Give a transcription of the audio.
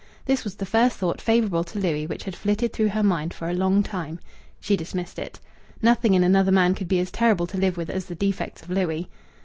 This was the first thought favourable to Louis which had flitted through her mind for a long time. She dismissed it. Nothing in another man could be as terrible to live with as the defects of Louis.